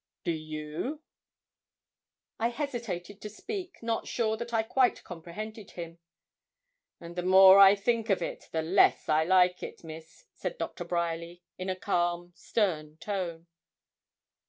Do you?' I hesitated to speak, not sure that I quite comprehended him. 'And the more I think of it, the less I like it, Miss,' said Doctor Bryerly, in a calm, stern tone.